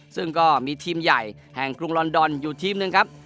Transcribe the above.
ซึ่งก็มีทีมใหญ่แห่งกรุงลอนดอนอยู่ทีมหนึ่งครับ